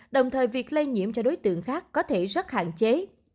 đồng thời việc lây nhiễm cho đối tượng khác có thể rất hạn chế